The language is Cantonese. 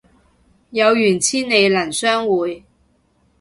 有緣千里能相會